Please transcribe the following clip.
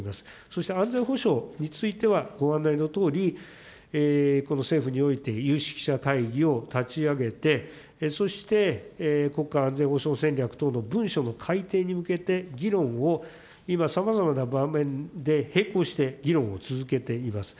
そして安全保障については、ご案内のとおり、この政府において有識者会議を立ち上げて、そして、国家安全保障戦略等の文書の改定に向けて議論を今、さまざまな場面で並行して議論を続けています。